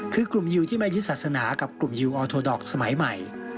คือกลุ่มยิวที่ไม่ยึดศาสนากับกลุ่มยิวออโทดอกสมัยใหม่